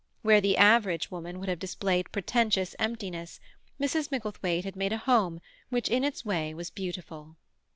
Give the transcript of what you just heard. Where the average woman would have displayed pretentious emptiness, Mrs. Micklethwaite had made a home which in its way was beautiful.